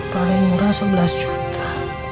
paling murah sebelas juta